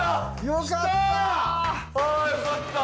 よかった！